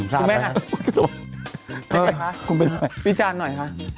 ดูไหมฮะได้ไหมฮะคงเป็นวิจารณ์หน่อยฮะ